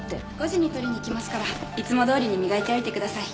５時に取りに来ますからいつもどおりに磨いておいてください。